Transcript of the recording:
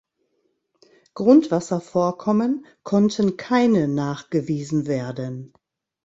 Grundwasservorkommen konnten keine nachgewiesen werden.